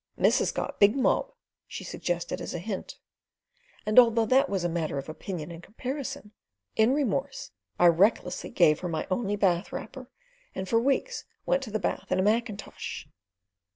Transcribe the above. "Missus got big mob," she suggested as a hint; and, although that was a matter of opinion and comparison, in remorse I recklessly gave her my only bath wrapper, and for weeks went to the bath in a mackintosh.